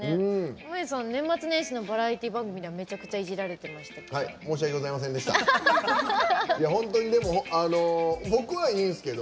濱家さん、年末年始のバラエティー番組でめちゃくちゃいじられてましたけど。